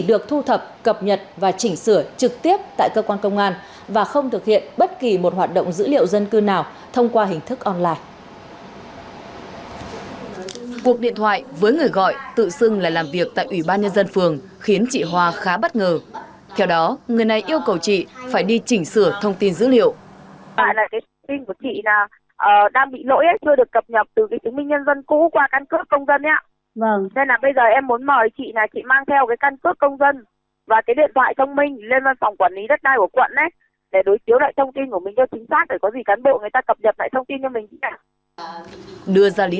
nên là bây giờ em muốn mời chị này chị mang theo cái căn cước công dân và cái điện thoại thông minh lên văn phòng quản lý đất đai của quận để đối chiếu lại thông tin của mình cho chính xác để có gì cán bộ người ta cập nhập lại thông tin cho mình